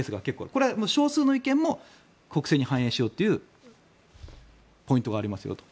これは少数の意見も国政に反映しようというポイントがありますよと。